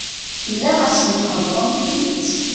Ilaq asen-theḍṛem tidet.